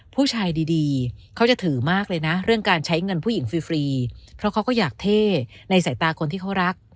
ผู้ชายดีเขาจะถือมากเลยนะเรื่องการใช้เงินผู้หญิงฟรีเพราะเขาก็อยากเท่ในสายตาคนที่เขารัก